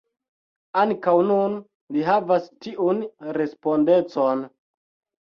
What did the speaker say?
Ankaŭ nun li havas tiun respondecon.